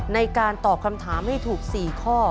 ในการตอบคำถามให้ถูก๔ข้อ